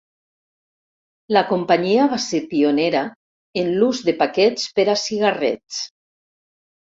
La companyia va ser pionera en l'ús de paquets per a cigarrets.